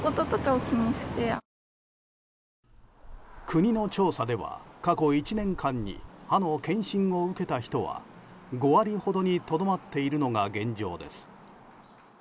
国の調査では、過去１年間に葉の検診を受けた人は５割ほどにとどまっているのが現状です。